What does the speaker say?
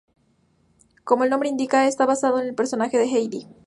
Como el nombre indica, está basada en el personaje de Heidi.